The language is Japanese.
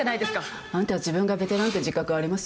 あんた自分がベテランって自覚あります？